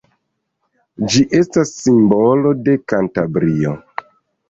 Ĝi estas simbolo de Kantabrio.